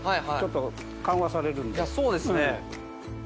そうですね。